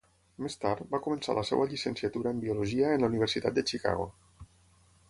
Més tard, va començar la seva llicenciatura en biologia en la Universitat de Chicago.